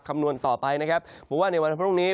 คำนวณต่อไปนะครับบอกว่าในวันเท้าพรุ่งนี้